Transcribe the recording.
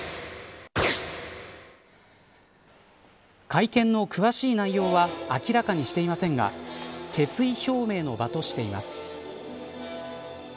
会見の詳しい内容は明らかにしていませんが決意表明の場としています。